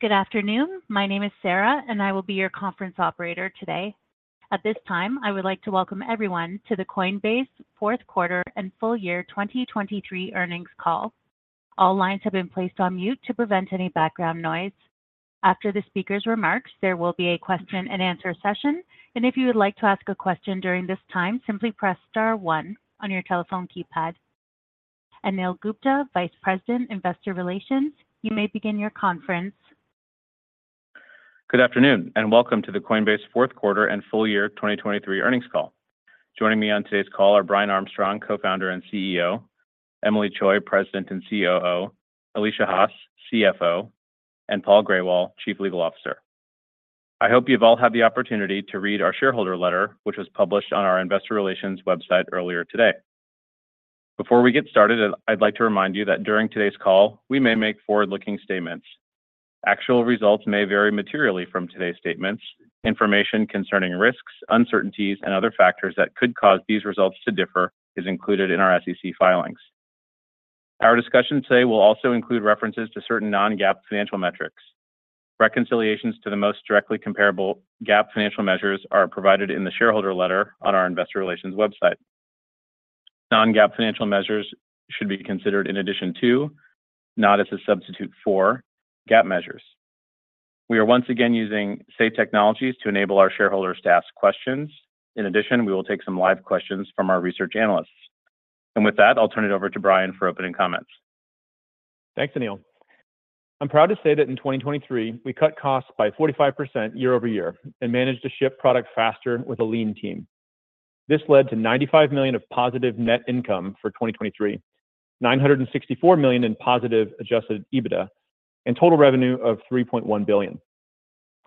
Good afternoon. My name is Sarah, and I will be your conference operator today. At this time, I would like to welcome everyone to the Coinbase fourth quarter and full year 2023 earnings call. All lines have been placed on mute to prevent any background noise. After the speaker's remarks, there will be a Q&A session, and if you would like to ask a question during this time, simply press star one on your telephone keypad. Anil Gupta, Vice President, Investor Relations, you may begin your conference. Good afternoon, and welcome to the Coinbase fourth quarter and full year 2023 earnings call. Joining me on today's call are Brian Armstrong, Co-founder and CEO; Emilie Choi, President and COO; Alesia Haas, CFO; and Paul Grewal, Chief Legal Officer. I hope you've all had the opportunity to read our shareholder letter, which was published on our investor relations website earlier today. Before we get started, I'd like to remind you that during today's call, we may make forward-looking statements. Actual results may vary materially from today's statements. Information concerning risks, uncertainties, and other factors that could cause these results to differ is included in our SEC filings. Our discussion today will also include references to certain non-GAAP financial metrics. Reconciliations to the most directly comparable GAAP financial measures are provided in the shareholder letter on our investor relations website. Non-GAAP financial measures should be considered in addition to, not as a substitute for, GAAP measures. We are once again using Say Technologies to enable our shareholders to ask questions. In addition, we will take some live questions from our research analysts. With that, I'll turn it over to Brian for opening comments. Thanks, Anil. I'm proud to say that in 2023, we cut costs by 45% year-over-year and managed to ship product faster with a lean team. This led to $95 million of positive net income for 2023, $964 million in positive adjusted EBITDA, and total revenue of $3.1 billion.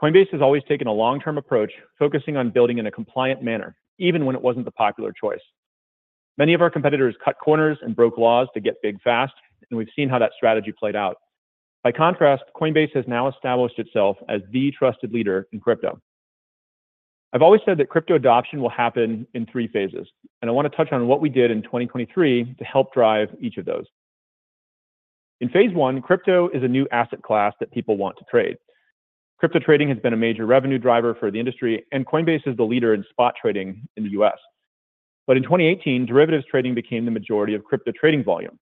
Coinbase has always taken a long-term approach, focusing on building in a compliant manner, even when it wasn't the popular choice. Many of our competitors cut corners and broke laws to get big fast, and we've seen how that strategy played out. By contrast, Coinbase has now established itself as the trusted leader in crypto. I've always said that crypto adoption will happen in three phases, and I want to touch on what we did in 2023 to help drive each of those. In phase one, crypto is a new asset class that people want to trade. Crypto trading has been a major revenue driver for the industry, and Coinbase is the leader in spot trading in the U.S. But in 2018, derivatives trading became the majority of crypto trading volume.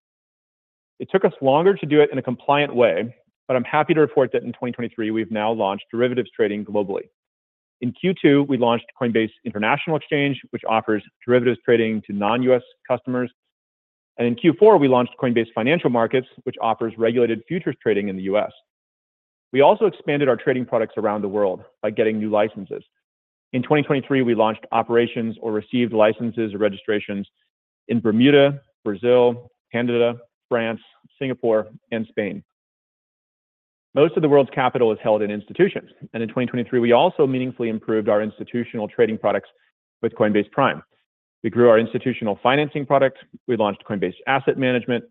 It took us longer to do it in a compliant way, but I'm happy to report that in 2023, we've now launched derivatives trading globally. In Q2, we launched Coinbase International Exchange, which offers derivatives trading to non-U.S. customers. And in Q4, we launched Coinbase Financial Markets, which offers regulated futures trading in the U.S. We also expanded our trading products around the world by getting new licenses. In 2023, we launched operations or received licenses or registrations in Bermuda, Brazil, Canada, France, Singapore, and Spain. Most of the world's capital is held in institutions, and in 2023, we also meaningfully improved our institutional trading products with Coinbase Prime. We grew our institutional financing products. We launched Coinbase Asset Management.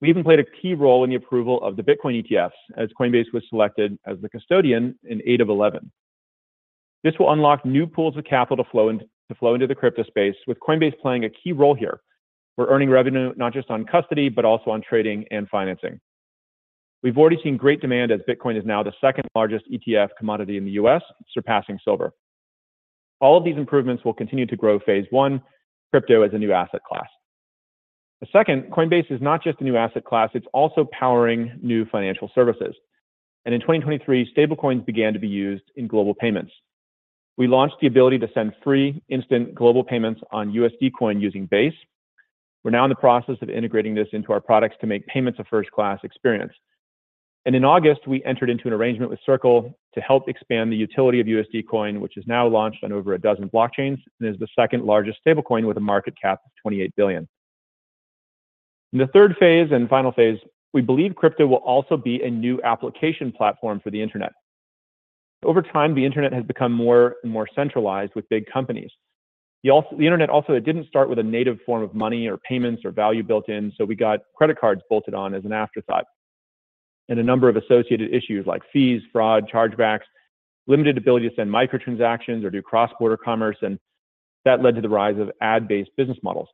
We even played a key role in the approval of the Bitcoin ETF, as Coinbase was selected as the custodian in eight of 11. This will unlock new pools of capital to flow into the crypto space, with Coinbase playing a key role here. We're earning revenue not just on custody, but also on trading and financing. We've already seen great demand, as Bitcoin is now the second-largest ETF commodity in the U.S., surpassing silver. All of these improvements will continue to grow phase one, crypto as a new asset class. The second, Coinbase, is not just a new asset class, it's also powering new financial services. And in 2023, stablecoins began to be used in global payments. We launched the ability to send free instant global payments on USD Coin using Base. We're now in the process of integrating this into our products to make payments a first-class experience. And in August, we entered into an arrangement with Circle to help expand the utility of USD Coin, which is now launched on over a dozen blockchains and is the second-largest stablecoin with a market cap of $28 billion. In the third phase and final phase, we believe crypto will also be a new application platform for the internet. Over time, the internet has become more and more centralized with big companies. The als... The internet also, it didn't start with a native form of money or payments or value built in, so we got credit cards bolted on as an afterthought and a number of associated issues like fees, fraud, chargebacks, limited ability to send micro-transactions or do cross-border commerce, and that led to the rise of ad-based business models.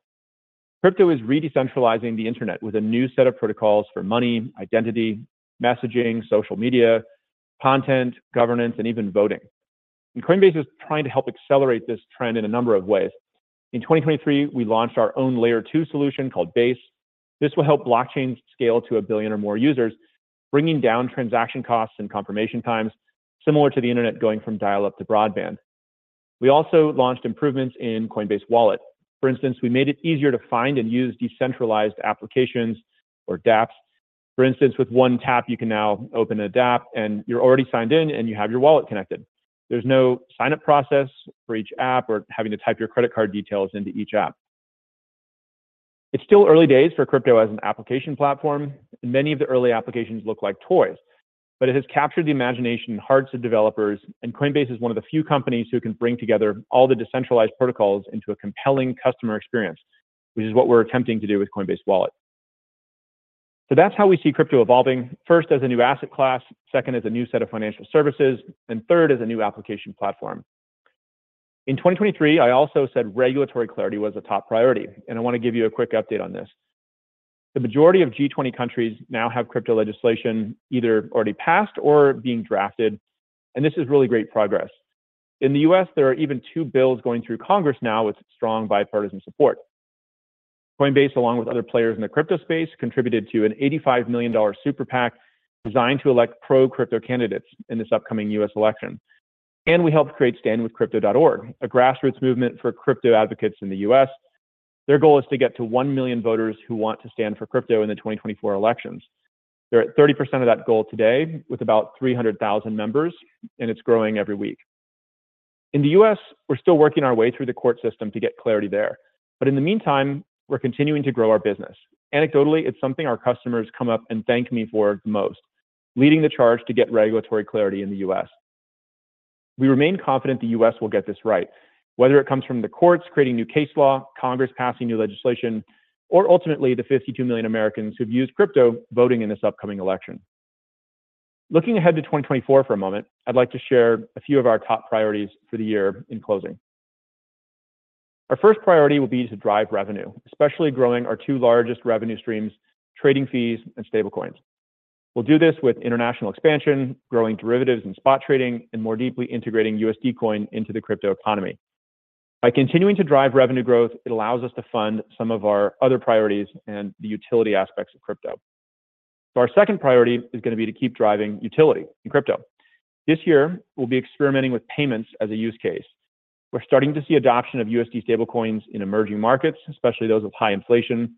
Crypto is re-decentralizing the internet with a new set of protocols for money, identity, messaging, social media, content, governance, and even voting. Coinbase is trying to help accelerate this trend in a number of ways. In 2023, we launched our own Layer 2 solution called Base. This will help blockchains scale to 1 billion or more users, bringing down transaction costs and confirmation times, similar to the internet going from dial-up to broadband. We also launched improvements in Coinbase Wallet. For instance, we made it easier to find and use decentralized applications or dApps. For instance, with one tap, you can now open a dApp, and you're already signed in, and you have your wallet connected. There's no sign-up process for each app or having to type your credit card details into each app. It's still early days for crypto as an application platform. Many of the early applications look like toys, but it has captured the imagination and hearts of developers, and Coinbase is one of the few companies who can bring together all the decentralized protocols into a compelling customer experience, which is what we're attempting to do with Coinbase Wallet. So that's how we see crypto evolving: first, as a new asset class, second, as a new set of financial services, and third, as a new application platform.... In 2023, I also said regulatory clarity was a top priority, and I wanna give you a quick update on this. The majority of G20 countries now have crypto legislation either already passed or being drafted, and this is really great progress. In the U.S., there are even two bills going through Congress now with strong bipartisan support. Coinbase, along with other players in the crypto space, contributed to an $85 million Super PAC designed to elect pro-crypto candidates in this upcoming U.S. election. We helped create StandWithCrypto.org, a grassroots movement for crypto advocates in the U.S. Their goal is to get to 1 million voters who want to stand for crypto in the 2024 elections. They're at 30% of that goal today, with about 300,000 members, and it's growing every week. In the U.S., we're still working our way through the court system to get clarity there, but in the meantime, we're continuing to grow our business. Anecdotally, it's something our customers come up and thank me for the most, leading the charge to get regulatory clarity in the U.S. We remain confident the U.S. will get this right, whether it comes from the courts creating new case law, Congress passing new legislation, or ultimately, the 52 million Americans who've used crypto voting in this upcoming election. Looking ahead to 2024 for a moment, I'd like to share a few of our top priorities for the year in closing. Our first priority will be to drive revenue, especially growing our two largest revenue streams, trading fees and stablecoins. We'll do this with international expansion, growing derivatives and spot trading, and more deeply integrating USD Coin into the crypto economy. By continuing to drive revenue growth, it allows us to fund some of our other priorities and the utility aspects of crypto. So our second priority is gonna be to keep driving utility in crypto. This year, we'll be experimenting with payments as a use case. We're starting to see adoption of USD stablecoins in emerging markets, especially those with high inflation,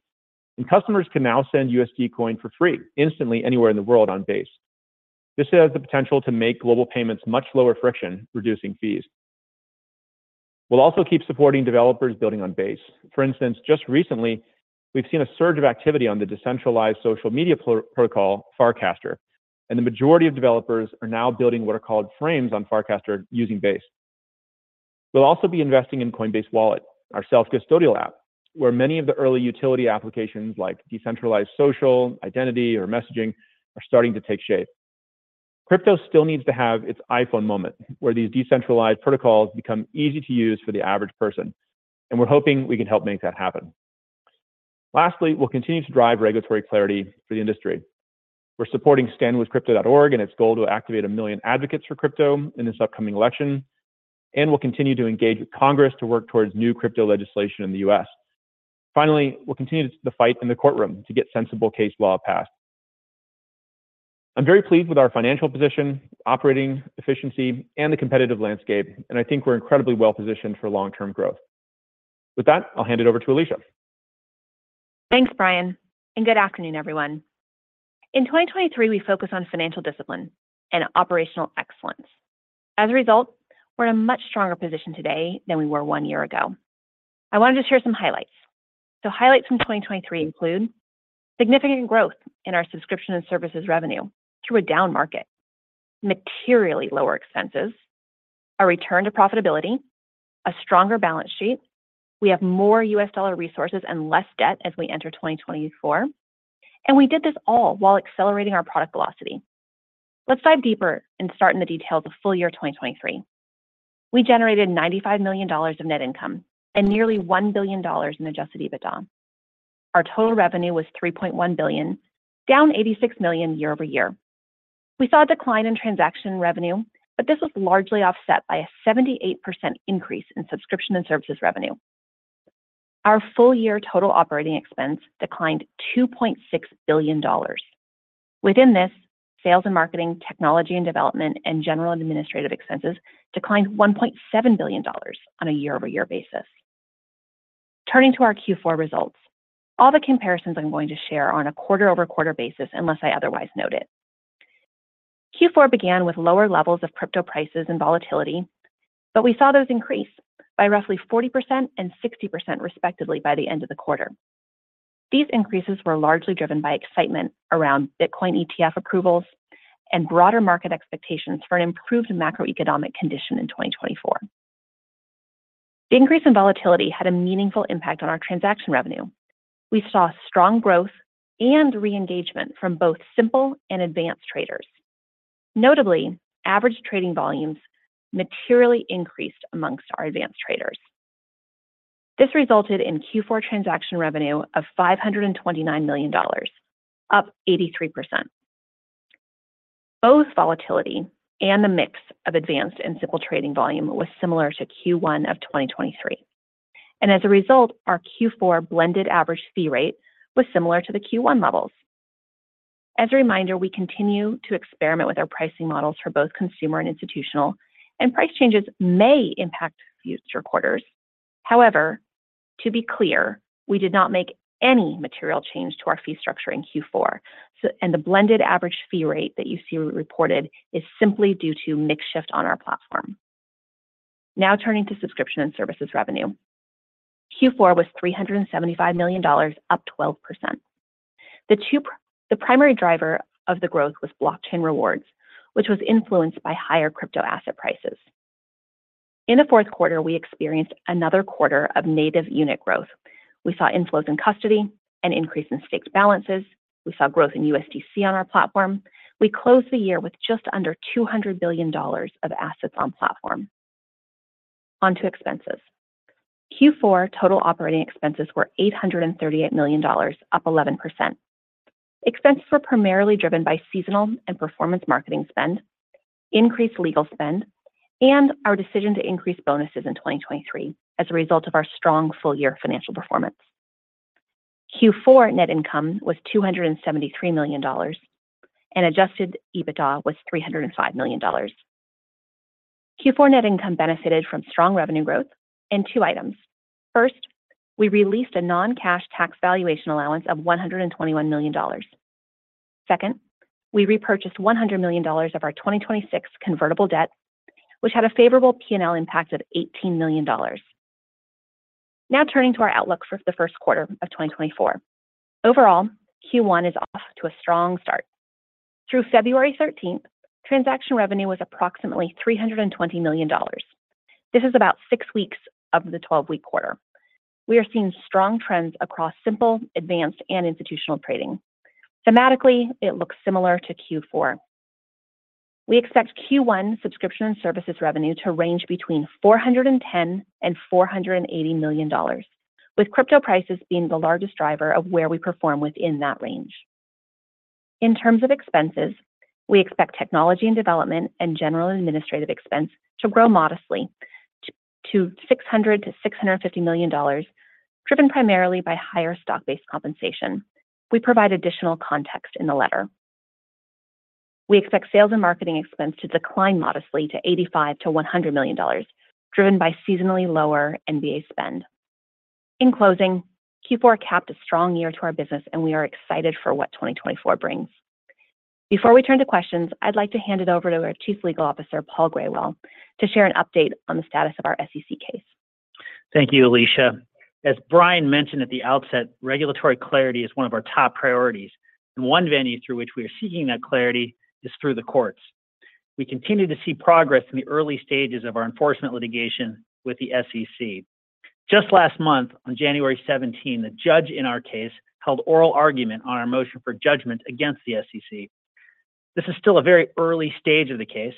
and customers can now send USD Coin for free instantly anywhere in the world on Base. This has the potential to make global payments much lower friction, reducing fees. We'll also keep supporting developers building on Base. For instance, just recently, we've seen a surge of activity on the decentralized social media protocol, Farcaster, and the majority of developers are now building what are called Frames on Farcaster using Base. We'll also be investing in Coinbase Wallet, our self-custodial app, where many of the early utility applications, like decentralized social, identity, or messaging, are starting to take shape. Crypto still needs to have its iPhone moment, where these decentralized protocols become easy to use for the average person, and we're hoping we can help make that happen. Lastly, we'll continue to drive regulatory clarity for the industry. We're supporting StandWithCrypto.org and its goal to activate 1 million advocates for crypto in this upcoming election, and we'll continue to engage with Congress to work towards new crypto legislation in the U.S. Finally, we'll continue the fight in the courtroom to get sensible case law passed. I'm very pleased with our financial position, operating efficiency, and the competitive landscape, and I think we're incredibly well-positioned for long-term growth. With that, I'll hand it over to Alesia. Thanks, Brian, and good afternoon, everyone. In 2023, we focused on financial discipline and operational excellence. As a result, we're in a much stronger position today than we were one year ago. I wanted to share some highlights. So, highlights from 2023 include significant growth in our subscription and services revenue through a down market, materially lower expenses, a return to profitability, a stronger balance sheet. We have more US dollar resources and less debt as we enter 2024, and we did this all while accelerating our product velocity. Let's dive deeper and start in the details of full year 2023. We generated $95 million of net income and nearly $1 billion in Adjusted EBITDA. Our total revenue was $3.1 billion, down $86 million year-over-year. We saw a decline in transaction revenue, but this was largely offset by a 78% increase in subscription and services revenue. Our full-year total operating expense declined $2.6 billion. Within this, sales and marketing, technology and development, and general administrative expenses declined $1.7 billion on a year-over-year basis. Turning to our Q4 results, all the comparisons I'm going to share are on a quarter-over-quarter basis, unless I otherwise note it. Q4 began with lower levels of crypto prices and volatility, but we saw those increase by roughly 40% and 60%, respectively, by the end of the quarter. These increases were largely driven by excitement around Bitcoin ETF approvals and broader market expectations for an improved macroeconomic condition in 2024. The increase in volatility had a meaningful impact on our transaction revenue. We saw strong growth and reengagement from both simple and advanced traders. Notably, average trading volumes materially increased among our advanced traders. This resulted in Q4 transaction revenue of $529 million, up 83%. Both volatility and the mix of advanced and simple trading volume was similar to Q1 of 2023, and as a result, our Q4 blended average fee rate was similar to the Q1 levels. As a reminder, we continue to experiment with our pricing models for both consumer and institutional, and price changes may impact future quarters. However, to be clear, we did not make any material change to our fee structure in Q4, so, and the blended average fee rate that you see reported is simply due to mix shift on our platform. Now, turning to subscription and services revenue. Q4 was $375 million, up 12%. The primary driver of the growth was blockchain rewards, which was influenced by higher crypto asset prices. In the fourth quarter, we experienced another quarter of native unit growth. We saw inflows in custody, an increase in staked balances. We saw growth in USDC on our platform. We closed the year with just under $200 billion of assets on platform. On to expenses. Q4 total operating expenses were $838 million, up 11%. Expenses were primarily driven by seasonal and performance marketing spend, increased legal spend, and our decision to increase bonuses in 2023 as a result of our strong full-year financial performance. Q4 net income was $273 million, and adjusted EBITDA was $305 million. Q4 net income benefited from strong revenue growth in two items. First, we released a non-cash tax valuation allowance of $121 million. Second, we repurchased $100 million of our 2026 convertible debt, which had a favorable P&L impact of $18 million. Now, turning to our outlook for the first quarter of 2024. Overall, Q1 is off to a strong start. Through February thirteenth, transaction revenue was approximately $320 million. This is about six weeks of the 12-week quarter. We are seeing strong trends across simple, advanced, and institutional trading. Thematically, it looks similar to Q4. We expect Q1 subscription and services revenue to range between $410 million and $480 million, with crypto prices being the largest driver of where we perform within that range. In terms of expenses, we expect technology and development and general administrative expense to grow modestly to $600 million-$650 million, driven primarily by higher stock-based compensation. We provide additional context in the letter. We expect sales and marketing expense to decline modestly to $85 million-$100 million, driven by seasonally lower NBA spend. In closing, Q4 capped a strong year to our business, and we are excited for what 2024 brings. Before we turn to questions, I'd like to hand it over to our Chief Legal Officer, Paul Grewal, to share an update on the status of our SEC case. Thank you, Alesia. As Brian mentioned at the outset, regulatory clarity is one of our top priorities, and one venue through which we are seeking that clarity is through the courts. We continue to see progress in the early stages of our enforcement litigation with the SEC. Just last month, on January 17th, the judge in our case held oral argument on our motion for judgment against the SEC. This is still a very early stage of the case.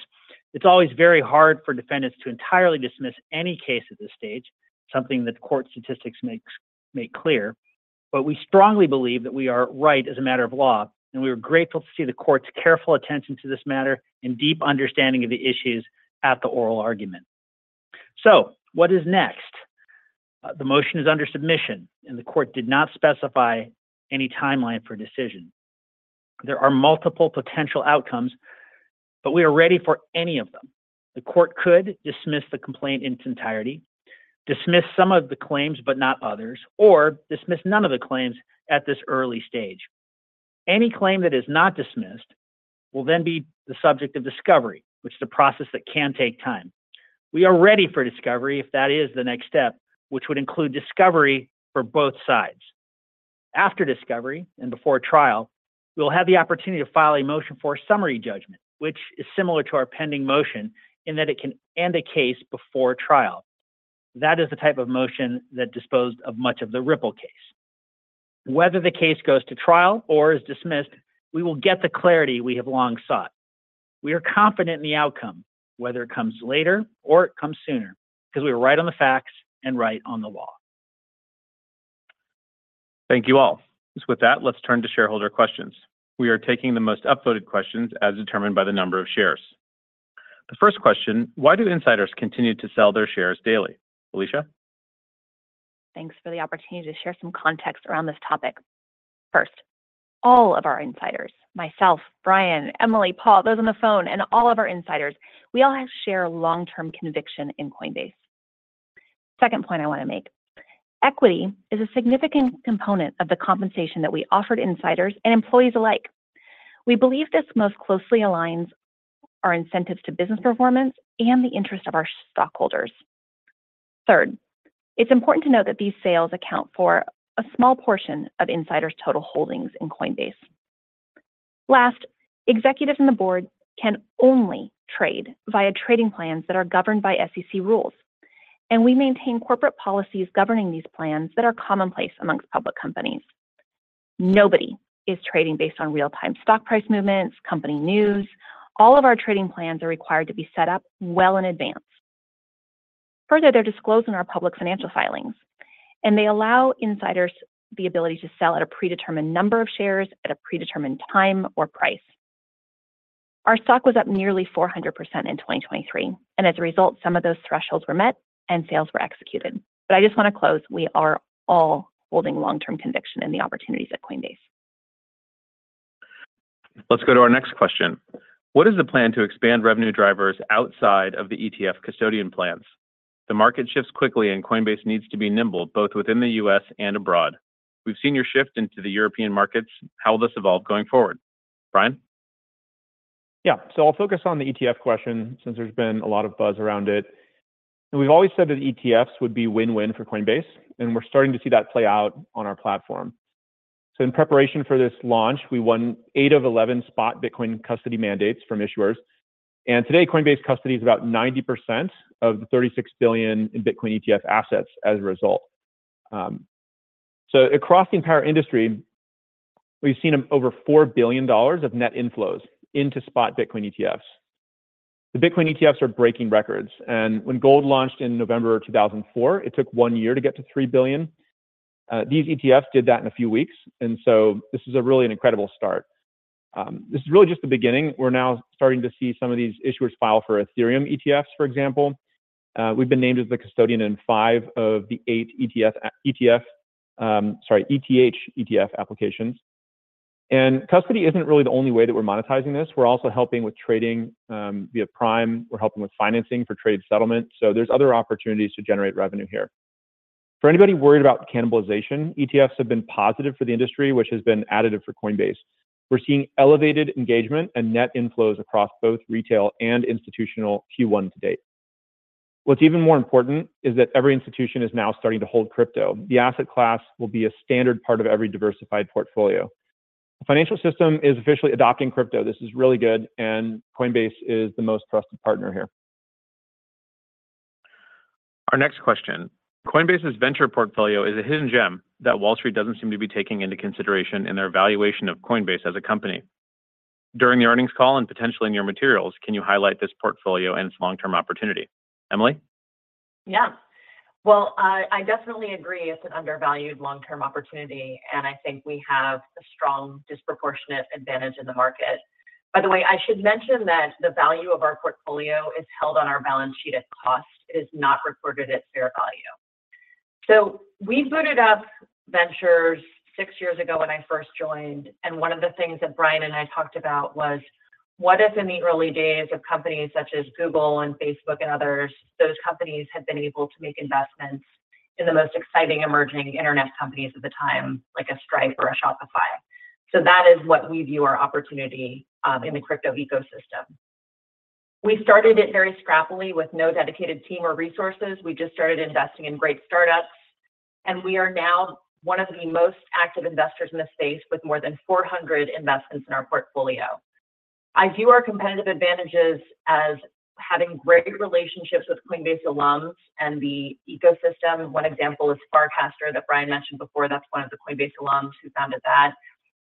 It's always very hard for defendants to entirely dismiss any case at this stage, something that court statistics make clear. But we strongly believe that we are right as a matter of law, and we are grateful to see the court's careful attention to this matter and deep understanding of the issues at the oral argument. So what is next? The motion is under submission, and the court did not specify any timeline for decision. There are multiple potential outcomes, but we are ready for any of them. The court could dismiss the complaint in its entirety, dismiss some of the claims but not others, or dismiss none of the claims at this early stage. Any claim that is not dismissed will then be the subject of discovery, which is a process that can take time. We are ready for discovery if that is the next step, which would include discovery for both sides. After discovery and before trial, we'll have the opportunity to file a motion for summary judgment, which is similar to our pending motion, in that it can end a case before trial. That is the type of motion that disposed of much of the Ripple case. Whether the case goes to trial or is dismissed, we will get the clarity we have long sought. We are confident in the outcome, whether it comes later or it comes sooner, because we are right on the facts and right on the law. Thank you, all. With that, let's turn to shareholder questions. We are taking the most upvoted questions as determined by the number of shares. The first question: Why do insiders continue to sell their shares daily? Alesia? Thanks for the opportunity to share some context around this topic. First, all of our insiders, myself, Brian, Emilie, Paul, those on the phone, and all of our insiders, we all share long-term conviction in Coinbase. Second point I wanna make, equity is a significant component of the compensation that we offer to insiders and employees alike. We believe this most closely aligns our incentives to business performance and the interest of our stockholders. Third, it's important to note that these sales account for a small portion of insiders' total holdings in Coinbase. Last, executives and the board can only trade via trading plans that are governed by SEC rules, and we maintain corporate policies governing these plans that are commonplace among public companies. Nobody is trading based on real-time stock price movements, company news. All of our trading plans are required to be set up well in advance. Further, they're disclosed in our public financial filings, and they allow insiders the ability to sell at a predetermined number of shares at a predetermined time or price. Our stock was up nearly 400% in 2023, and as a result, some of those thresholds were met, and sales were executed. But I just wanna close, we are all holding long-term conviction in the opportunities at Coinbase. Let's go to our next question: What is the plan to expand revenue drivers outside of the ETF custodian plans? The market shifts quickly, and Coinbase needs to be nimble, both within the U.S. and abroad. We've seen your shift into the European markets. How will this evolve going forward? Brian? Yeah. So I'll focus on the ETF question since there's been a lot of buzz around it. We've always said that ETFs would be win-win for Coinbase, and we're starting to see that play out on our platform. So in preparation for this launch, we won eight of 11 spot Bitcoin custody mandates from issuers. And today, Coinbase Custody is about 90% of the $36 billion in Bitcoin ETF assets as a result. So across the entire industry, we've seen over $4 billion of net inflows into spot Bitcoin ETFs. The Bitcoin ETFs are breaking records, and when gold launched in November 2004, it took one year to get to $3 billion. These ETFs did that in a few weeks, and so this is a really an incredible start. This is really just the beginning. We're now starting to see some of these issuers file for Ethereum ETFs, for example. We've been named as the custodian in five of the eight ETH ETF applications. Custody isn't really the only way that we're monetizing this. We're also helping with trading via Prime. We're helping with financing for trade settlement, so there's other opportunities to generate revenue here. For anybody worried about cannibalization, ETFs have been positive for the industry, which has been additive for Coinbase. We're seeing elevated engagement and net inflows across both retail and institutional Q1 to date. What's even more important is that every institution is now starting to hold crypto. The asset class will be a standard part of every diversified portfolio. The financial system is officially adopting crypto. This is really good, and Coinbase is the most trusted partner here. Our next question: Coinbase's venture portfolio is a hidden gem that Wall Street doesn't seem to be taking into consideration in their evaluation of Coinbase as a company. During the earnings call and potentially in your materials, can you highlight this portfolio and its long-term opportunity? Emilie? Yeah. Well, I definitely agree it's an undervalued long-term opportunity, and I think we have a strong disproportionate advantage in the market. By the way, I should mention that the value of our portfolio is held on our balance sheet at cost. It is not recorded at fair value. So we booted up Ventures six years ago when I first joined, and one of the things that Brian and I talked about was, what if in the early days of companies such as Google and Facebook and others, those companies had been able to make investments in the most exciting emerging internet companies at the time, like a Stripe or a Shopify? So that is what we view our opportunity in the crypto ecosystem. We started it very scrappily with no dedicated team or resources. We just started investing in great startups, and we are now one of the most active investors in the space, with more than 400 investments in our portfolio. I view our competitive advantages as having great relationships with Coinbase alums and the ecosystem. One example is Farcaster that Brian mentioned before. That's one of the Coinbase alums who founded that.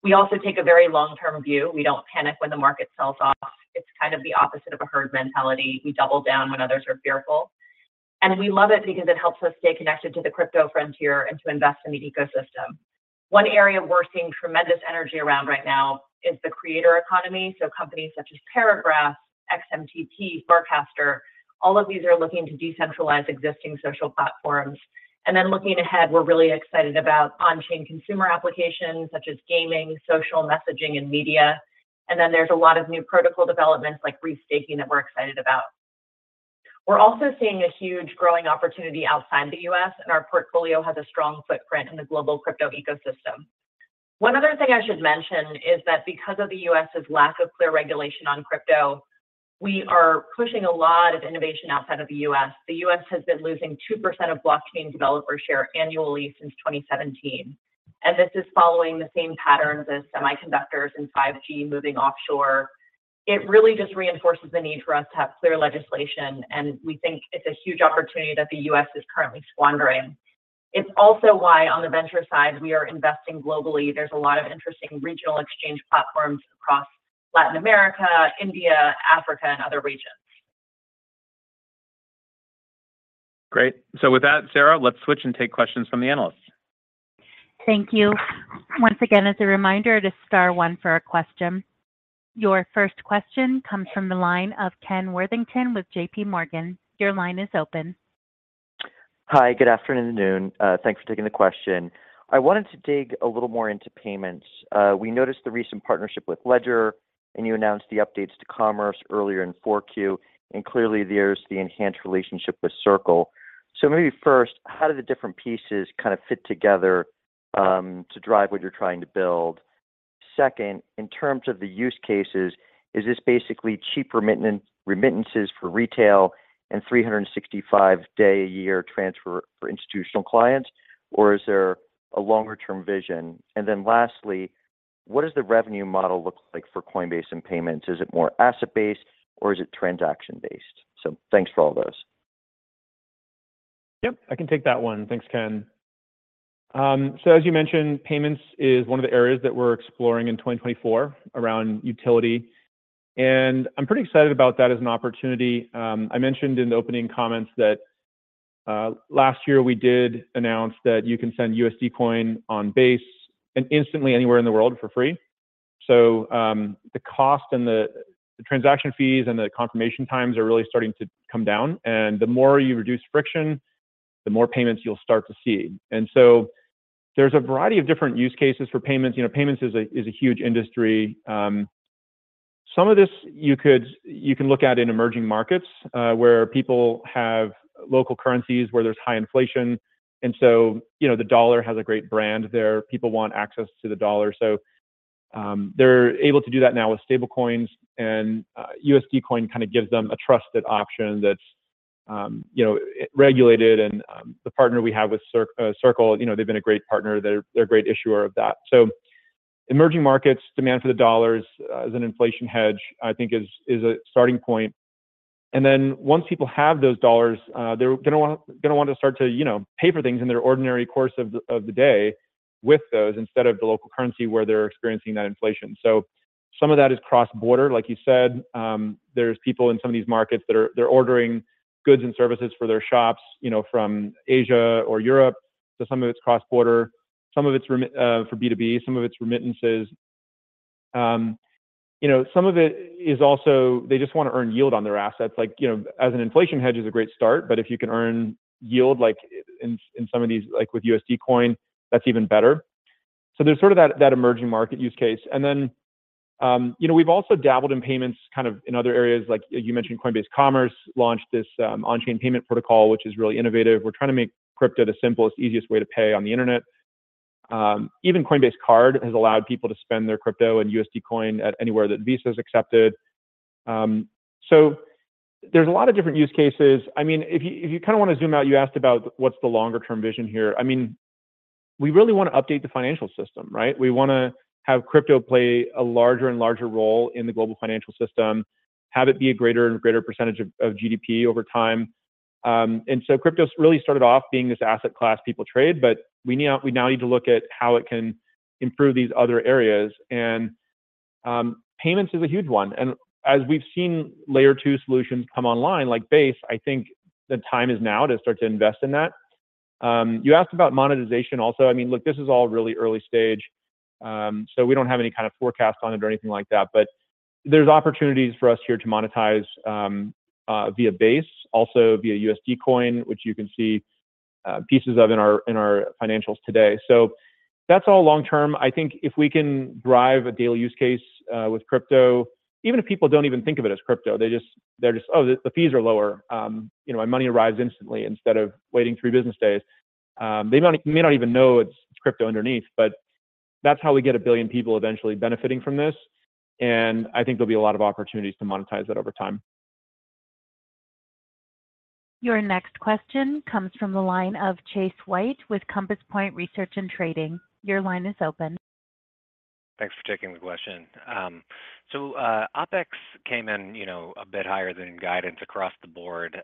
We also take a very long-term view. We don't panic when the market sells off. It's kind of the opposite of a herd mentality. We double down when others are fearful, and we love it because it helps us stay connected to the crypto frontier and to invest in the ecosystem. One area we're seeing tremendous energy around right now is the creator economy, so companies such as Paragraph, XMTP, Farcaster, all of these are looking to decentralize existing social platforms. Looking ahead, we're really excited about on-chain consumer applications such as gaming, social messaging, and media. There's a lot of new protocol developments like restaking that we're excited about. We're also seeing a huge growing opportunity outside the U.S., and our portfolio has a strong footprint in the global crypto ecosystem. One other thing I should mention is that because of the U.S.'s lack of clear regulation on crypto, we are pushing a lot of innovation outside of the U.S. The U.S. has been losing 2% of blockchain developer share annually since 2017, and this is following the same pattern as semiconductors and 5G moving offshore. It really just reinforces the need for us to have clear legislation, and we think it's a huge opportunity that the U.S. is currently squandering. It's also why, on the venture side, we are investing globally. There's a lot of interesting regional exchange platforms across Latin America, India, Africa, and other regions. Great. So with that, Sarah, let's switch and take questions from the analysts. Thank you. Once again, as a reminder, it is star one for a question. Your first question comes from the line of Ken Worthington with J.P. Morgan. Your line is open. Hi, good afternoon, thanks for taking the question. I wanted to dig a little more into payments. We noticed the recent partnership with Ledger, and you announced the updates to Commerce earlier in Q4, and clearly, there's the enhanced relationship with Circle. So maybe first, how do the different pieces kind of fit together, to drive what you're trying to build? Second, in terms of the use cases, is this basically cheaper remittances for retail and 365-day-a-year transfer for institutional clients, or is there a longer-term vision? And then lastly, what does the revenue model look like for Coinbase and payments? Is it more asset-based or is it transaction-based? So thanks for all those. Yep, I can take that one. Thanks, Ken. So as you mentioned, payments is one of the areas that we're exploring in 2024 around utility, and I'm pretty excited about that as an opportunity. I mentioned in the opening comments that last year we did announce that you can send USD Coin on Base and instantly anywhere in the world for free. So the cost and the transaction fees and the confirmation times are really starting to come down, and the more you reduce friction, the more payments you'll start to see. And so there's a variety of different use cases for payments. You know, payments is a huge industry. Some of this you can look at in emerging markets, where people have local currencies, where there's high inflation, and so, you know, the US dollar has a great brand there. People want access to the US dollar, so they're able to do that now with stablecoins, and USD Coin kind of gives them a trusted option that's, you know, regulated. And the partner we have with Circle, you know, they've been a great partner. They're, they're a great issuer of that. So emerging markets' demand for US dollars as an inflation hedge, I think is, is a starting point. Then once people have those dollars, they're gonna want to start to, you know, pay for things in their ordinary course of the day with those instead of the local currency, where they're experiencing that inflation. So some of that is cross-border, like you said. There's people in some of these markets that are ordering goods and services for their shops, you know, from Asia or Europe. So some of it's cross-border, some of it's for B2B, some of it's remittances. You know, some of it is also, they just wanna earn yield on their assets. Like, you know, as an inflation hedge is a great start, but if you can earn yield, like in some of these, like with USD Coin, that's even better. So there's sort of that emerging market use case. And then, you know, we've also dabbled in payments kind of in other areas. Like you mentioned, Coinbase Commerce launched this, on-chain payment protocol, which is really innovative. We're trying to make crypto the simplest, easiest way to pay on the internet. Even Coinbase Card has allowed people to spend their crypto and USD Coin at anywhere that Visa is accepted. So there's a lot of different use cases. I mean, if you, if you kinda wanna zoom out, you asked about what's the longer term vision here? I mean, we really wanna update the financial system, right? We wanna have crypto play a larger and larger role in the global financial system, have it be a greater and greater percentage of, of GDP over time. And so crypto's really started off being this asset class people trade, but we now need to look at how it can improve these other areas, and payments is a huge one. And as we've seen Layer 2 solutions come online, like Base, I think the time is now to start to invest in that. You asked about monetization also. I mean, look, this is all really early stage, so we don't have any kind of forecast on it or anything like that. But there's opportunities for us here to monetize via Base, also via USD Coin, which you can see pieces of in our financials today. So that's all long term. I think if we can drive a daily use case with crypto, even if people don't even think of it as crypto, they just- they're just, "Oh, the fees are lower, you know, my money arrives instantly instead of waiting three business days." They may not even know it's crypto underneath, but that's how we get a billion people eventually benefiting from this, and I think there'll be a lot of opportunities to monetize that over time. Your next question comes from the line of Chase White with Compass Point Research and Trading. Your line is open. Thanks for taking the question. So, OpEx came in, you know, a bit higher than guidance across the board,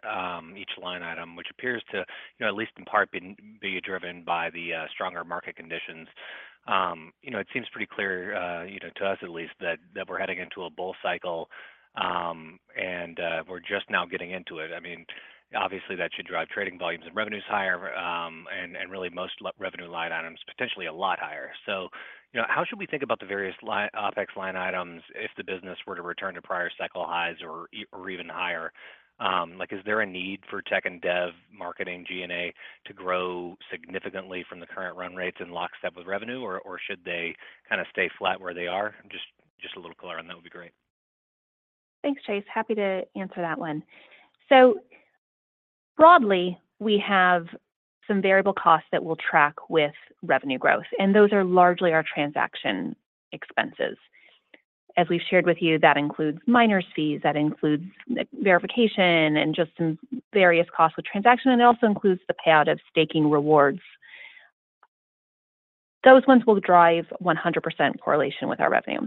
each line item, which appears to, you know, at least in part, be driven by the stronger market conditions. You know, it seems pretty clear, you know, to us at least, that we're heading into a bull cycle, and we're just now getting into it. I mean, obviously, that should drive trading volumes and revenues higher, and really most revenue line items, potentially a lot higher. So, you know, how should we think about the various OpEx line items if the business were to return to prior cycle highs or even higher? Like, is there a need for tech and dev, marketing, G&A, to grow significantly from the current run rates in lockstep with revenue, or should they kind of stay flat where they are? Just a little clearer on that would be great. Thanks, Chase. Happy to answer that one. So broadly, we have some variable costs that will track with revenue growth, and those are largely our transaction expenses. As we've shared with you, that includes miner fees, that includes verification, and just some various costs with transaction, and it also includes the payout of staking rewards. Those ones will drive 100% correlation with our revenue.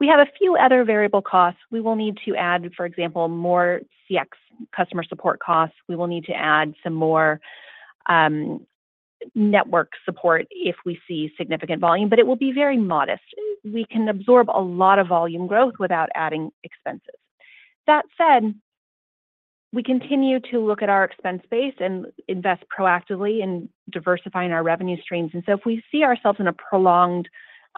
We have a few other variable costs. We will need to add, for example, more CX customer support costs. We will need to add some more network support if we see significant volume, but it will be very modest. We can absorb a lot of volume growth without adding expenses. That said, we continue to look at our expense base and invest proactively in diversifying our revenue streams. If we see ourselves in a prolonged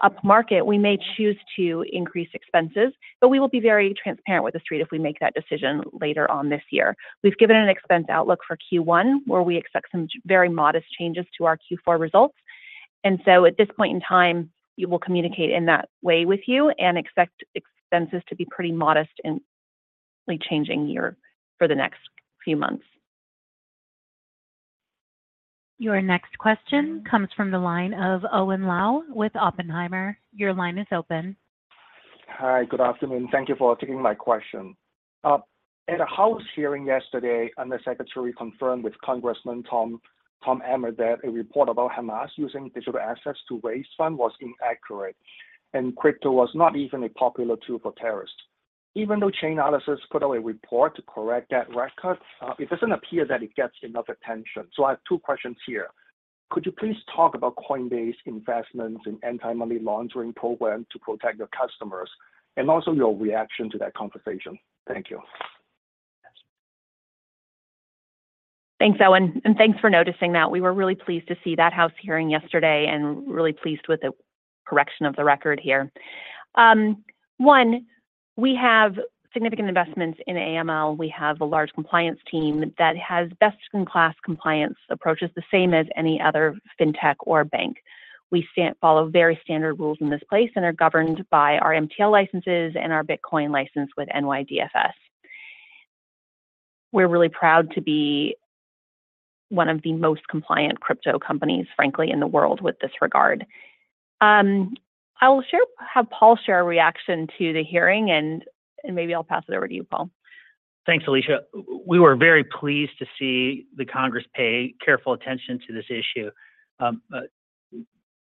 upmarket, we may choose to increase expenses, but we will be very transparent with the street if we make that decision later on this year. We've given an expense outlook for Q1, where we expect some very modest changes to our Q4 results. At this point in time, we will communicate in that way with you and expect expenses to be pretty modest and changing year for the next few months. Your next question comes from the line of Owen Lau with Oppenheimer. Your line is open. Hi, good afternoon. Thank you for taking my question. At a House hearing yesterday, Under Secretary confirmed with Congressman Tom Emmer that a report about Hamas using digital assets to raise fund was inaccurate, and crypto was not even a popular tool for terrorists. Even though Chainalysis put out a report to correct that record, it doesn't appear that it gets enough attention. So I have two questions here: Could you please talk about Coinbase investments in anti-money laundering program to protect your customers, and also your reaction to that conversation? Thank you. Thanks, Owen, and thanks for noticing that. We were really pleased to see that House hearing yesterday and really pleased with the correction of the record here. One, we have significant investments in AML. We have a large compliance team that has best-in-class compliance approaches, the same as any other fintech or bank. We follow very standard rules in this place and are governed by our MTL licenses and our BitLicense with NYDFS. We're really proud to be one of the most compliant crypto companies, frankly, in the world with this regard. I will share, have Paul share our reaction to the hearing, and maybe I'll pass it over to you, Paul. Thanks, Alesia. We were very pleased to see the Congress pay careful attention to this issue.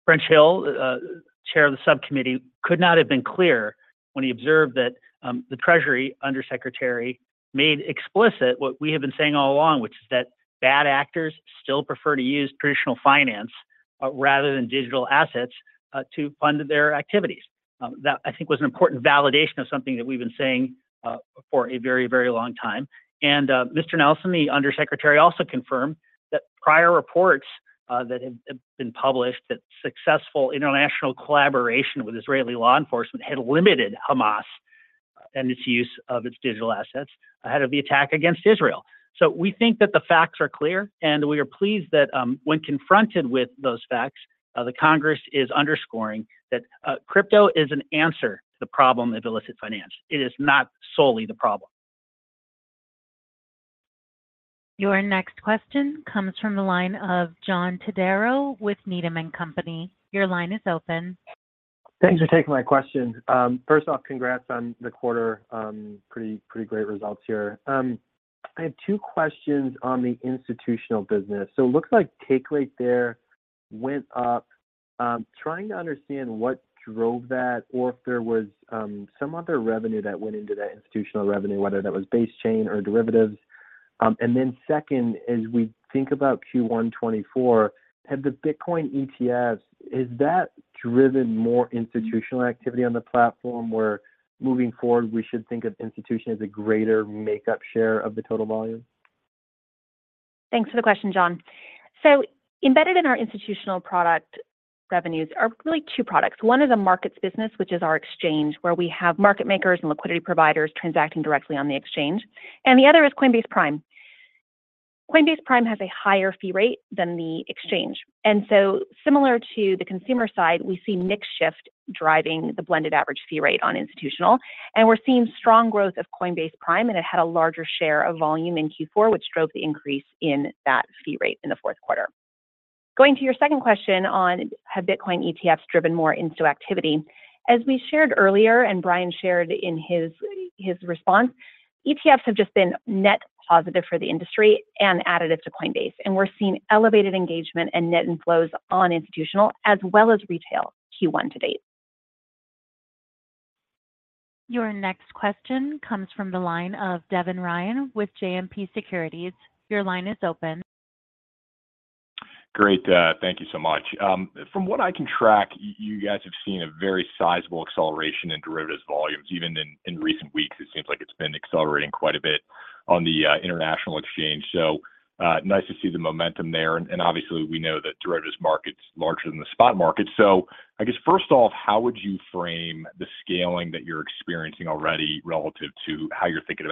French Hill, chair of the subcommittee, could not have been clear when he observed that the Treasury Under Secretary made explicit what we have been saying all along, which is that bad actors still prefer to use traditional finance rather than digital assets to fund their activities. That I think was an important validation of something that we've been saying for a very, very long time. And, Mr. Nelson, the Under Secretary, also confirmed that prior reports that have been published that successful international collaboration with Israeli law enforcement had limited Hamas and its use of its digital assets ahead of the attack against Israel. So we think that the facts are clear, and we are pleased that, when confronted with those facts, the Congress is underscoring that crypto is an answer to the problem of illicit finance. It is not solely the problem. Your next question comes from the line of John Todaro with Needham and Company. Your line is open. Thanks for taking my question. First off, congrats on the quarter. Pretty, pretty great results here. I have two questions on the institutional business. So it looks like take rate there went up. Trying to understand what drove that or if there was some other revenue that went into that institutional revenue, whether that was Base chain or derivatives. And then second, as we think about Q1 2024, have the Bitcoin ETFs, is that driven more institutional activity on the platform, where moving forward, we should think of institution as a greater makeup share of the total volume? Thanks for the question, John. So embedded in our institutional product revenues are really two products. One is a markets business, which is our exchange, where we have market makers and liquidity providers transacting directly on the exchange, and the other is Coinbase Prime. Coinbase Prime has a higher fee rate than the exchange, and so similar to the consumer side, we see mix shift driving the blended average fee rate on institutional, and we're seeing strong growth of Coinbase Prime, and it had a larger share of volume in Q4, which drove the increase in that fee rate in the fourth quarter. Going to your second question on, have Bitcoin ETFs driven more into activity? As we shared earlier, and Brian shared in his response, ETFs have just been net positive for the industry and additive to Coinbase, and we're seeing elevated engagement and net inflows on institutional as well as retail Q1 to date. Your next question comes from the line of Devin Ryan with JMP Securities. Your line is open. Great, thank you so much. From what I can track, you guys have seen a very sizable acceleration in derivatives volumes even in recent weeks. It seems like it's been accelerating quite a bit on the international exchange. So, nice to see the momentum there, and obviously, we know that derivatives market's larger than the spot market. So I guess, first off, how would you frame the scaling that you're experiencing already relative to how you're thinking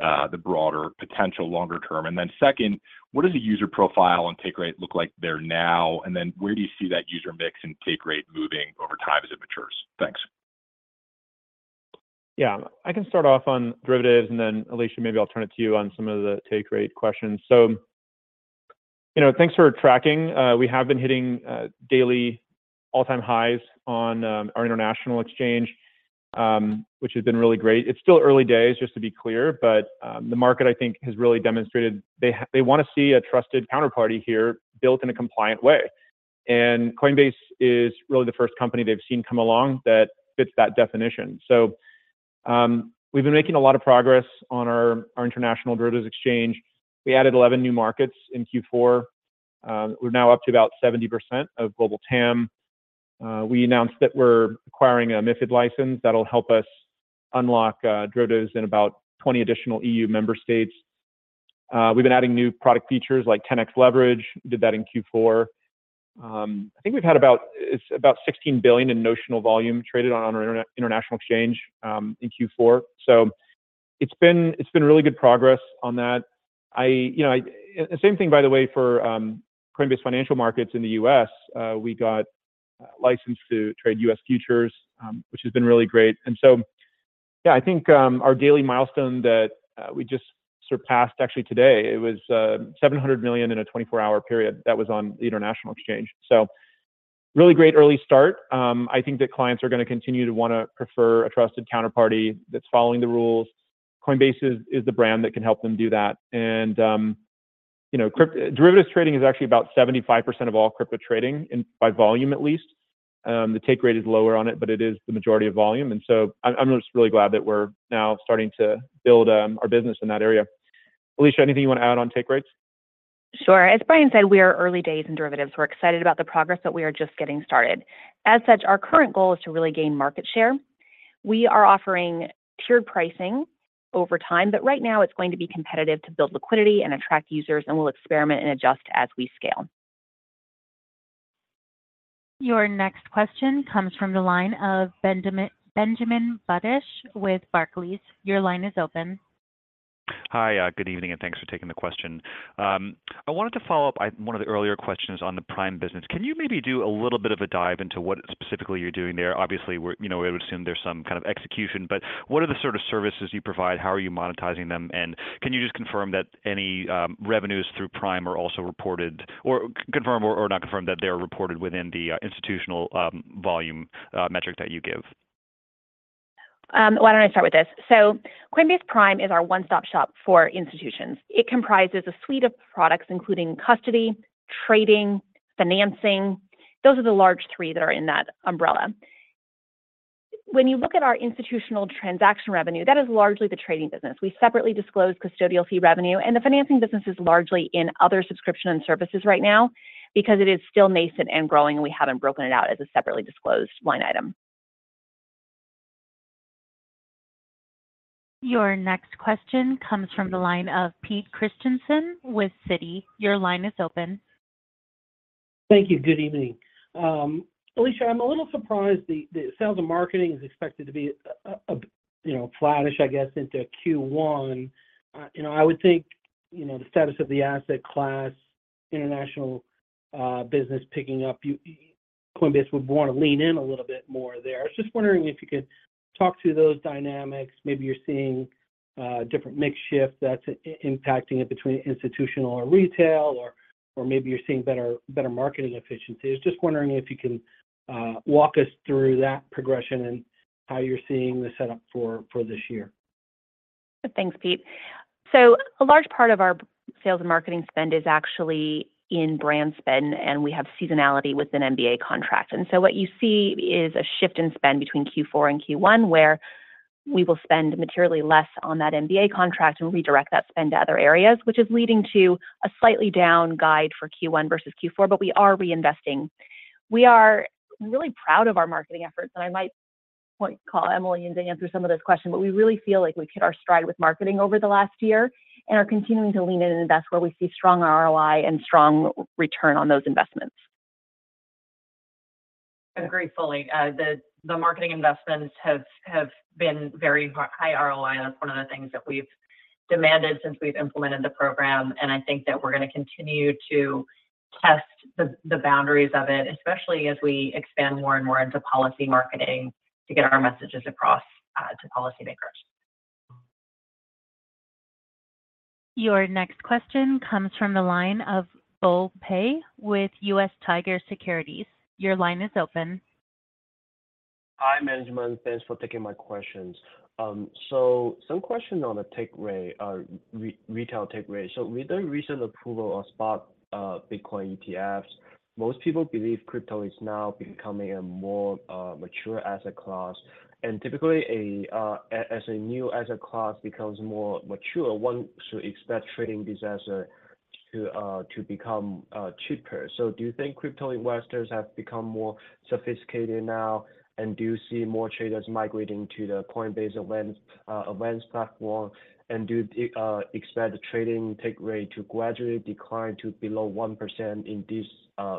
about the broader potential longer term? And then second, what does a user profile and take rate look like there now? And then where do you see that user mix and take rate moving over time as it matures? Thanks. Yeah. I can start off on derivatives, and then Alesia, maybe I'll turn it to you on some of the take rate questions. So, you know, thanks for tracking. We have been hitting daily all-time highs on our international exchange, which has been really great. It's still early days, just to be clear, but the market, I think, has really demonstrated they wanna see a trusted counterparty here built in a compliant way. And Coinbase is really the first company they've seen come along that fits that definition. So, we've been making a lot of progress on our international derivatives exchange. We added 11 new markets in Q4. We're now up to about 70% of global TAM. We announced that we're acquiring a MiFID license that'll help us unlock derivatives in about 20 additional EU member states. We've been adding new product features like 10X Leverage, did that in Q4. I think we've had about—it's about $16 billion in notional volume traded on our international exchange in Q4. So it's been, it's been really good progress on that. You know, the same thing, by the way, for Coinbase Financial Markets in the U.S. We got licensed to trade U.S. futures, which has been really great. And so, yeah, I think our daily milestone that we just surpassed actually today, it was $700 million in a 24-hour period. That was on the international exchange. So really great early start. I think that clients are gonna continue to wanna prefer a trusted counterparty that's following the rules. Coinbase is the brand that can help them do that. You know, crypto derivatives trading is actually about 75% of all crypto trading by volume, at least. The take rate is lower on it, but it is the majority of volume, and so I'm just really glad that we're now starting to build our business in that area. Alesia, anything you want to add on take rates? Sure. As Brian said, we are early days in derivatives. We're excited about the progress, but we are just getting started. As such, our current goal is to really gain market share. We are offering tiered pricing over time, but right now it's going to be competitive to build liquidity and attract users, and we'll experiment and adjust as we scale.... Your next question comes from the line of Benjamin Budish with Barclays. Your line is open. Hi, good evening, and thanks for taking the question. I wanted to follow up on one of the earlier questions on the Prime business. Can you maybe do a little bit of a dive into what specifically you're doing there? Obviously, we're, you know, I would assume there's some kind of execution, but what are the sort of services you provide? How are you monetizing them? And can you just confirm that any revenues through Prime are also reported, or confirm, or not confirm that they are reported within the institutional volume metric that you give? Why don't I start with this? So Coinbase Prime is our one-stop shop for institutions. It comprises a suite of products, including custody, trading, financing. Those are the large three that are in that umbrella. When you look at our institutional transaction revenue, that is largely the trading business. We separately disclose custodial fee revenue, and the financing business is largely in other subscription and services right now because it is still nascent and growing, and we haven't broken it out as a separately disclosed line item. Your next question comes from the line of Pete Christiansen with Citi. Your line is open. Thank you. Good evening. Alesia, I'm a little surprised the sales and marketing is expected to be, you know, flattish, I guess, into Q1. You know, I would think, you know, the status of the asset class, international business picking up, Coinbase would want to lean in a little bit more there. I was just wondering if you could talk to those dynamics. Maybe you're seeing different mix shift that's impacting it between institutional or retail, or maybe you're seeing better marketing efficiencies. Just wondering if you can walk us through that progression and how you're seeing the setup for this year. Thanks, Pete. So a large part of our sales and marketing spend is actually in brand spend, and we have seasonality with an NBA contract. And so what you see is a shift in spend between Q4 and Q1, where we will spend materially less on that NBA contract and redirect that spend to other areas, which is leading to a slightly down guide for Q1 versus Q4, but we are reinvesting. We are really proud of our marketing efforts, and I might point call Emilie and Dan through some of those questions. But we really feel like we hit our stride with marketing over the last year and are continuing to lean in and invest where we see strong ROI and strong return on those investments. Agree fully. The marketing investments have been very high ROI. That's one of the things that we've demanded since we've implemented the program, and I think that we're gonna continue to test the boundaries of it, especially as we expand more and more into policy marketing to get our messages across to policymakers. Your next question comes from the line of Bo Pei with US Tiger Securities. Your line is open. Hi, management. Thanks for taking my questions. So some questions on the take rate, retail take rate. So with the recent approval of spot Bitcoin ETFs, most people believe crypto is now becoming a more mature asset class. And typically, as a new asset class becomes more mature, one should expect trading business to become cheaper. So do you think crypto investors have become more sophisticated now, and do you see more traders migrating to the Coinbase Advanced platform? And do you expect the trading take rate to gradually decline to below 1% in this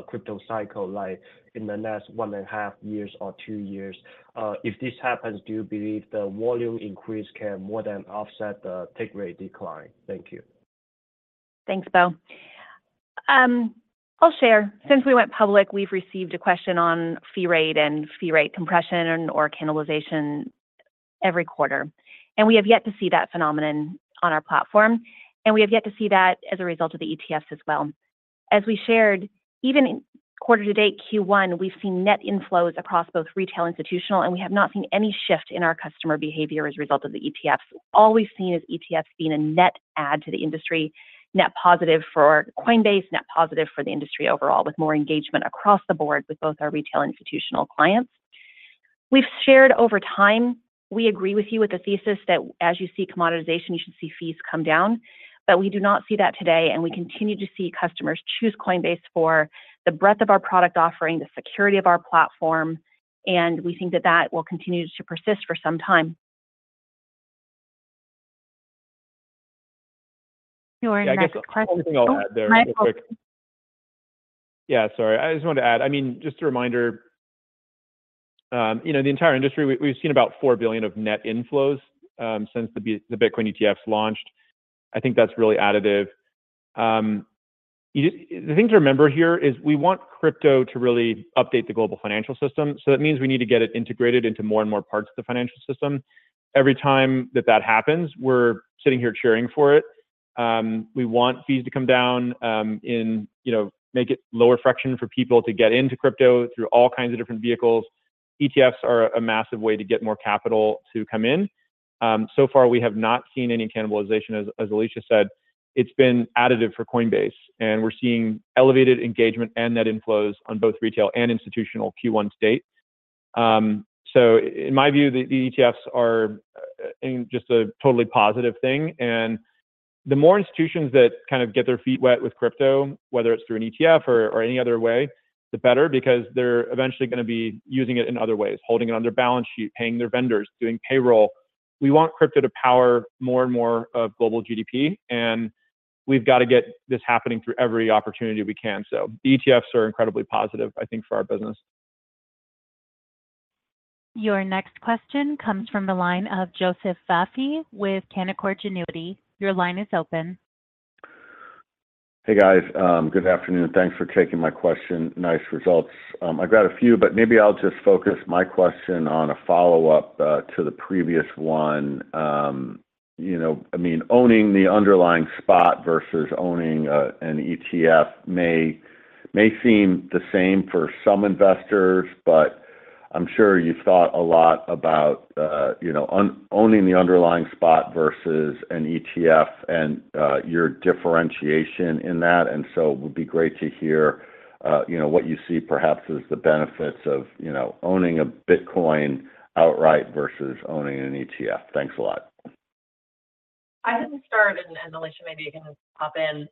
crypto cycle, like in the next 1.5 years or 2 years? If this happens, do you believe the volume increase can more than offset the take rate decline? Thank you. Thanks, Bo. I'll share. Since we went public, we've received a question on fee rate and fee rate compression and/or cannibalization every quarter, and we have yet to see that phenomenon on our platform, and we have yet to see that as a result of the ETFs as well. As we shared, even in quarter to date, Q1, we've seen net inflows across both retail institutional, and we have not seen any shift in our customer behavior as a result of the ETFs. All we've seen is ETFs being a net add to the industry, net positive for Coinbase, net positive for the industry overall, with more engagement across the board with both our retail institutional clients. We've shared over time, we agree with you with the thesis that as you see commoditization, you should see fees come down. But we do not see that today, and we continue to see customers choose Coinbase for the breadth of our product offering, the security of our platform, and we think that that will continue to persist for some time. Your next question- I guess one thing I'll add there, real quick. Michael- Yeah, sorry, I just wanted to add, I mean, just a reminder, you know, the entire industry, we've seen about $4 billion of net inflows since the Bitcoin ETFs launched. I think that's really additive. You just... The thing to remember here is we want crypto to really update the global financial system, so that means we need to get it integrated into more and more parts of the financial system. Every time that that happens, we're sitting here cheering for it. We want fees to come down, and, you know, make it lower friction for people to get into crypto through all kinds of different vehicles. ETFs are a massive way to get more capital to come in. So far, we have not seen any cannibalization. Alesia said, it's been additive for Coinbase, and we're seeing elevated engagement and net inflows on both retail and institutional Q1 stake. So in my view, the ETFs are just a totally positive thing, and the more institutions that kind of get their feet wet with crypto, whether it's through an ETF or any other way, the better, because they're eventually gonna be using it in other ways, holding it on their balance sheet, paying their vendors, doing payroll. We want crypto to power more and more of global GDP, and-... we've got to get this happening through every opportunity we can. The ETFs are incredibly positive, I think, for our business. Your next question comes from the line of Joseph Vafi with Canaccord Genuity. Your line is open. Hey, guys. Good afternoon. Thanks for taking my question. Nice results. I've got a few, but maybe I'll just focus my question on a follow-up to the previous one. You know, I mean, owning the underlying spot versus owning an ETF may seem the same for some investors, but I'm sure you've thought a lot about, you know, owning the underlying spot versus an ETF and your differentiation in that. And so it would be great to hear, you know, what you see perhaps as the benefits of, you know, owning a Bitcoin outright versus owning an ETF. Thanks a lot. I can start, and Alesia, maybe you can just pop in.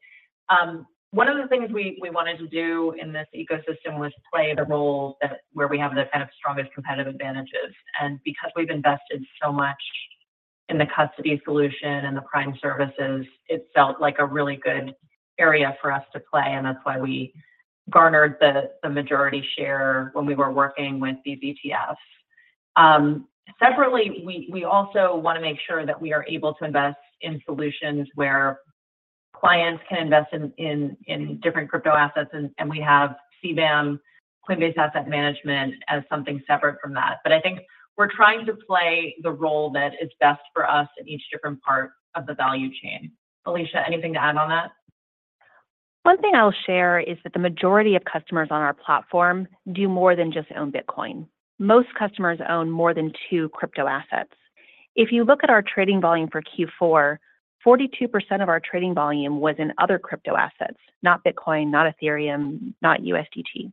One of the things we wanted to do in this ecosystem was play the role that, where we have the kind of strongest competitive advantages. And because we've invested so much in the custody solution and the prime services, it felt like a really good area for us to play, and that's why we garnered the majority share when we were working with these ETFs. Separately, we also wanna make sure that we are able to invest in solutions where clients can invest in different crypto assets, and we have CBAM, Coinbase Asset Management, as something separate from that. But I think we're trying to play the role that is best for us in each different part of the value chain. Alesia, anything to add on that? One thing I'll share is that the majority of customers on our platform do more than just own Bitcoin. Most customers own more than 2 crypto assets. If you look at our trading volume for Q4, 42% of our trading volume was in other crypto assets, not Bitcoin, not Ethereum, not USDT.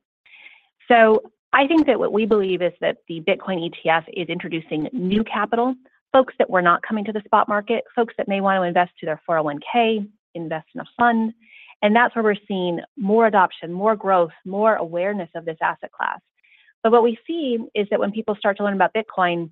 So I think that what we believe is that the Bitcoin ETF is introducing new capital, folks that were not coming to the spot market, folks that may want to invest in their 401(k), invest in a fund, and that's where we're seeing more adoption, more growth, more awareness of this asset class. But what we see is that when people start to learn about Bitcoin,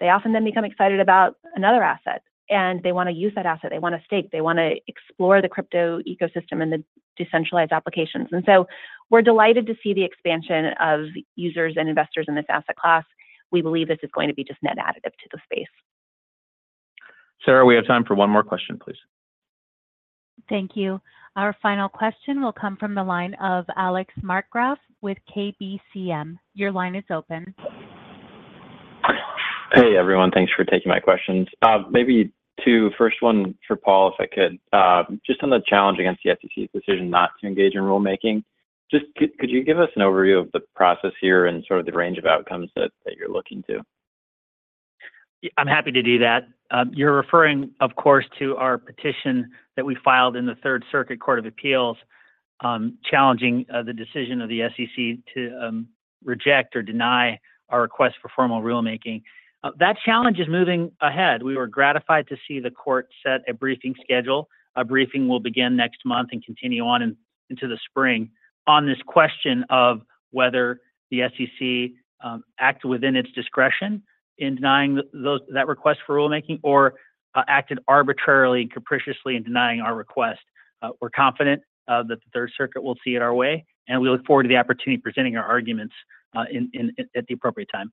they often then become excited about another asset, and they want to use that asset. They want to stake. They want to explore the crypto ecosystem and the decentralized applications. So, we're delighted to see the expansion of users and investors in this asset class. We believe this is going to be just net additive to the space. Sarah, we have time for one more question, please. Thank you. Our final question will come from the line of Alex Markgraff with KBCM. Your line is open. Hey, everyone. Thanks for taking my questions. Maybe two. First one for Paul, if I could. Just on the challenge against the SEC's decision not to engage in rulemaking, could you give us an overview of the process here and sort of the range of outcomes that you're looking to? I'm happy to do that. You're referring, of course, to our petition that we filed in the Third Circuit Court of Appeals, challenging the decision of the SEC to reject or deny our request for formal rulemaking. That challenge is moving ahead. We were gratified to see the court set a briefing schedule. A briefing will begin next month and continue on into the spring on this question of whether the SEC acted within its discretion in denying that request for rulemaking or acted arbitrarily and capriciously in denying our request. We're confident that the Third Circuit will see it our way, and we look forward to the opportunity of presenting our arguments in at the appropriate time.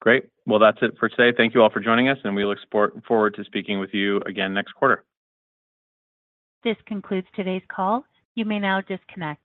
Great. Well, that's it for today. Thank you all for joining us, and we look forward to speaking with you again next quarter. This concludes today's call. You may now disconnect.